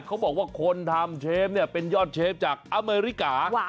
เขาบอกว่าคนทำเชฟเนี่ยเป็นยอดเชฟจากอเมริกา